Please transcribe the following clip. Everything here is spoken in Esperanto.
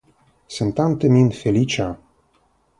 Sentante min feliĉa.